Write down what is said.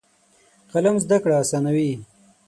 قلم زده کړه اسانوي.